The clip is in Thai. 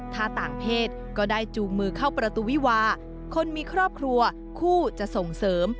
ถ้าต่างเพศก็ได้จูงมือเข้าประตูวิวาคนมีครอบครัวคู่จะส่งเสริม